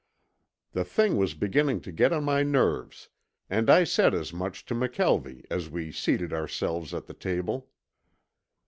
The thing was beginning to get on my nerves and I said as much to McKelvie as we seated ourselves at the table.